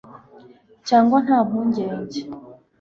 cyangwa, nta mpungenge